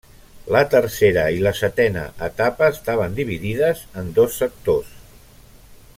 La tercera i la setena etapa estaven dividides en dos sectors.